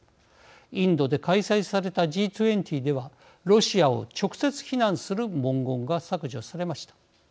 インドで開催されたＧ２０ではロシアを直接非難する文言が削除されました。